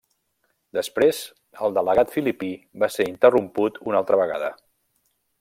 Després, el delegat filipí va ser interromput una altra vegada.